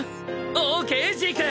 オーケージーク！